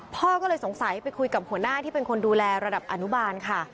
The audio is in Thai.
พ่อก็เลยสงสัยไปคุยกับหัวหน้าที่เป็นคนดูแลระดับอนุบาลค่ะ